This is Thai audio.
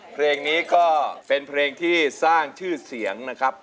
เพลงนี้ก็เป็นเพลงที่สร้างชื่อเสียงนะครับ